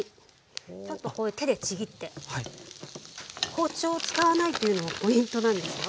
包丁を使わないというのもポイントなんですよ。